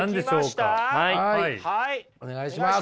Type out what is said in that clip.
お願いします。